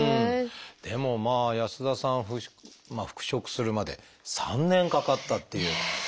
でも安田さん復職するまで３年かかったっていう。